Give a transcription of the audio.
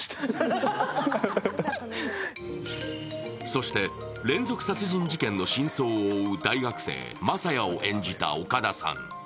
そして連続殺人事件の真相を追う大学生、雅也を演じた岡田さん。